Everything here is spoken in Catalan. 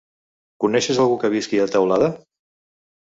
Coneixes algú que visqui a Teulada?